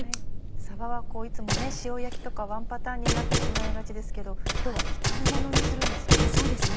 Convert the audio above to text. さばはいつも塩焼きとかワンパターンになってしまいがちですけど今日は炒めものにするんですね。